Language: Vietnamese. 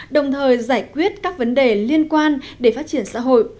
đồng thời giải quyết các vấn đề liên quan để phát triển xã hội